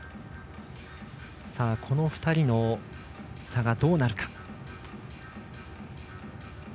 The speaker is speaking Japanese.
この２人の差がどうなるか。